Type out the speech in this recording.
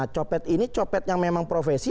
copet ini copet yang memang profesi